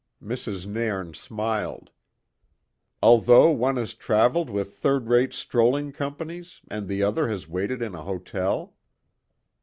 Mrs. Nairn smiled. "Although one has travelled with third rate strolling companies and the other has waited in an hotel?